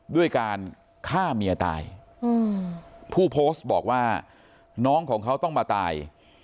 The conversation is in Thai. ด้วยการฆ่าเมียตายผู้โพสต์บอกว่าน้องของเขาต้องมาตาย